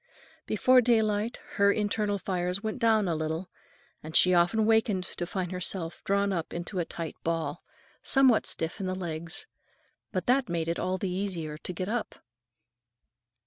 Before daylight, her internal fires went down a little, and she often wakened to find herself drawn up into a tight ball, somewhat stiff in the legs. But that made it all the easier to get up.